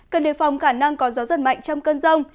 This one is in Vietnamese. cần đề phòng khả năng có gió giật mạnh trong cơn rông